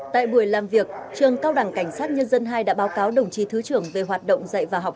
tại buổi làm việc trường cao đẳng cảnh sát nhân dân hai đã báo cáo đồng chí thứ trưởng về hoạt động dạy và học